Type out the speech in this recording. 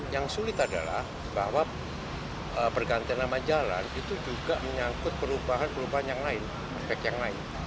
yang sulit adalah bahwa pergantian nama jalan itu juga menyangkut perubahan perubahan yang lain